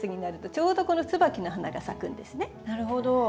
なるほど。